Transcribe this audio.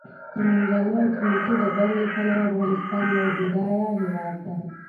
د منرالو او قیمتي ډبرو له پلوه افغانستان یو بډایه هېواد دی.